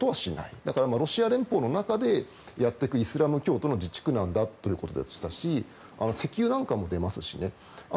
だから、ロシア連邦の中でやっていくイスラム教徒の自治区なんだということでしたし石油なんかも出ますししね。